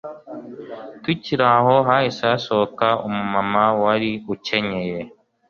Tukiri aho hahise hasohoka umumama wari ukenyeye